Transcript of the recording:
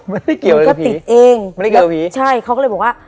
มันไม่เกี่ยวกับผีมันก็ติดเองมันไม่เกี่ยวกับผีใช่เขาก็เลยบอกว่า